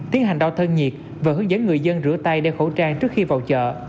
tiến hành đo thân nhiệt và hướng dẫn người dân rửa tay đeo khẩu trang trước khi vào chợ